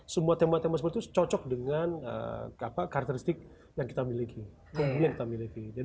semua tema tema seperti itu cocok dengan karakteristik yang kita miliki